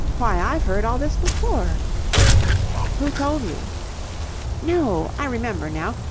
Why, I've heard all this before." "Who told you?" "No, I remember now.